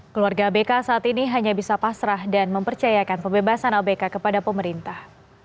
keluarga abk saat ini hanya bisa pasrah dan mempercayakan pembebasan abk kepada pemerintah